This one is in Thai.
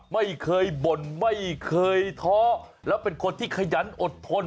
ไม่เคยบ่นไม่เคยท้อแล้วเป็นคนที่ขยันอดทน